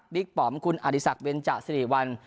บิ๊กป๋อมคุณอดิษักร์เวรจสิริวัล